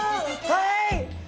はい！